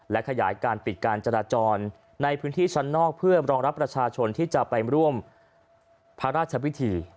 และขยายการปิดการจราจรในพื้นที่ชั้นนอกเพื่อรองรับประชาชนที่จะไปร่วมพระราชพิธี